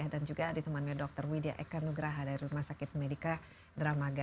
dan juga ditemani dr widya ekanugraha dari rumah sakit medica dramaga bogor